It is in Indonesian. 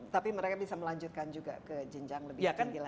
tapi mereka bisa melanjutkan juga ke jenjang lebih tinggi lagi